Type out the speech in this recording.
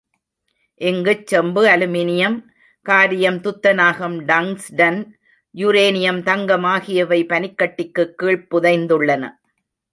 இங்குச் செம்பு, அலுமினியம், காரீயம், துத்தநாகம், டங்ஸ்ட ன், யுரேனியம், தங்கம் ஆகியவை பனிக்கட்டிக்குக் கீழ்ப் புதைந்துள்ளன.